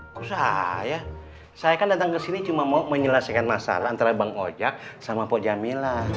gak usah ya saya kan datang ke sini cuma mau menyelesaikan masalah antara bang ojak sama pak jamila